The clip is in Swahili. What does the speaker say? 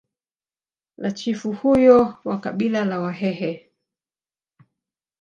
la chifu huyo wa kabila la wahehe